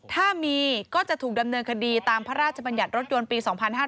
ถ้ามีก็จะถูกดำเนินคดีตามพระราชบัญญัติรถยนต์ปี๒๕๕๙